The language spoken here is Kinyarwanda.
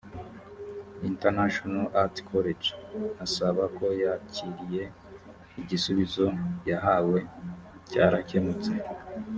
international art college asaba ko yakiriye igisubizo yahawe cyarakemutse